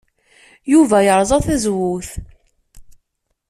Yuba yerẓa tazewwut.